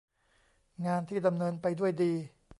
งานที่ดำเนินไปด้วยดี